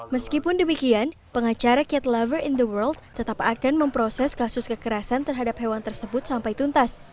meskipun demikian pengacara cat lover in the world tetap akan memproses kasus kekerasan terhadap hewan tersebut sampai tuntas